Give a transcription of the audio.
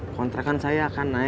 kontrakan saya akan naik